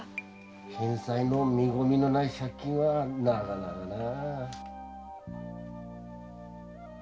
返済の見込みのない借金はなかなかなぁ。